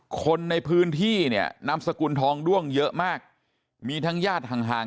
คนในพื้นที่เนี่ยนามสกุลทองด้วงเยอะมากมีทั้งญาติห่างห่าง